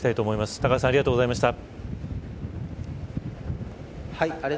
高橋さんありがとうございました。